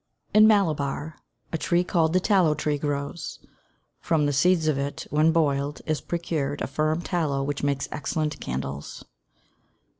In Malabar, a tree called "the tallow tree" grows; from the seeds of it, when boiled, is procured a firm tallow which makes excellent candles.